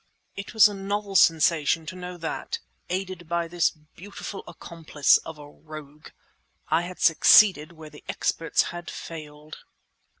It was a novel sensation to know that, aided by this beautiful accomplice of a rogue, I had succeeded where the experts had failed!